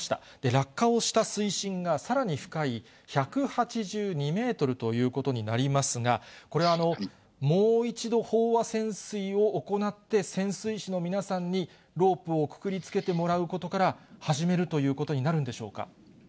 落下をした水深が、さらに深い１８２メートルということになりますが、これ、もう一度、飽和潜水を行って、潜水士の皆さんにロープをくくりつけてもらうことから始めるということになるんでしょうか。